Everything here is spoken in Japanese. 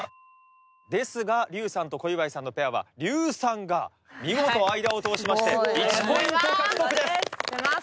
ですが笠さんと小祝さんのペアは笠さんが見事間を通しまして１ポイント獲得です。